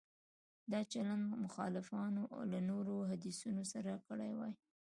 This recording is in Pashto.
دا چلند مخالفانو له نورو حدیثونو سره کړی وای.